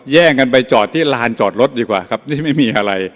แย่งกันไปจอดที่ลานจอดรถดีกว่าครับนี่ไม่มีอะไร